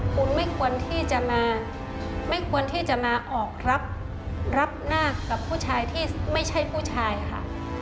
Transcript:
คุณไม่ควรที่จะมาไม่ควรที่จะมาออกรับหน้ากับผู้ชายที่ไม่ใช่ผู้ชายค่ะ